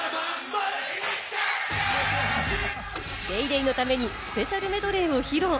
『ＤａｙＤａｙ．』のためにスペシャルメドレーを披露。